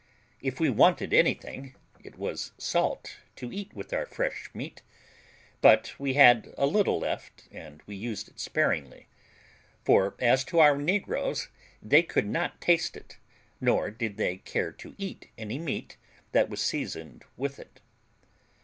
If we wanted anything, it was salt to eat with our fresh meat; but we had a little left, and we used it sparingly; for as to our negroes, they could not taste it, nor did they care to eat any meat that was seasoned with it.